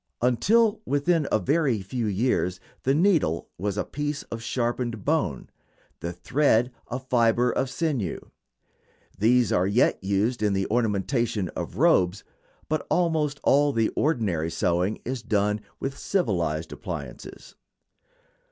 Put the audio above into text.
Until within a very few years the needle was a piece of sharpened bone; the thread a fiber of sinew. These are yet used in the ornamentation of robes, but almost all the ordinary sewing is done with civilized appliances.